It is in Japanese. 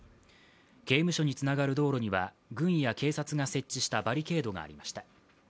刑務所につながる道路には軍や警察が設置したバリケードがありました。